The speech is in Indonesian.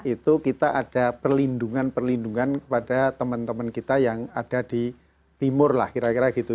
itu kita ada perlindungan perlindungan kepada teman teman kita yang ada di timur lah kira kira gitu